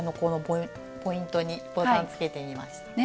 ポイントにボタンつけてみました。